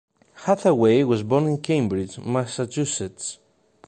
Hathaway was born in Cambridge, Massachusetts.